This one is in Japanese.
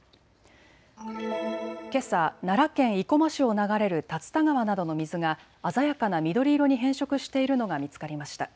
けさ、奈良県生駒市を流れる竜田川などの水が鮮やかな緑色に変色しているのが見つかりました。